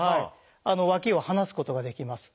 脇を離すことができます。